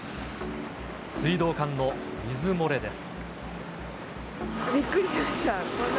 水道管の水漏れです。